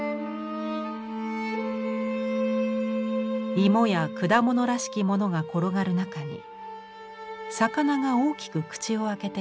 イモや果物らしきものが転がる中に魚が大きく口を開けています。